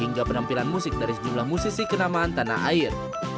hingga penampilan musik dari sejumlah musisi kenamaan tanah air